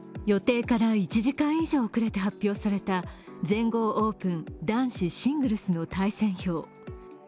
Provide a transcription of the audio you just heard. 予定から１時間以上遅れて発表された全豪オープン男子シングルスの対戦表。